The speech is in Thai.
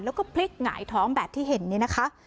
แล้วก็พลิกหงายท้องแบบที่เห็นเนี่ยนะคะ